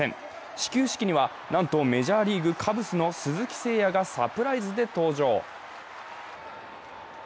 始球式には、なんとメジャーリーグ、カブスの鈴木誠也がサプライズで登場。